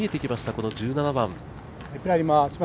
この１７番。